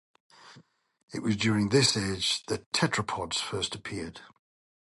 It was during this age that tetrapods first appeared.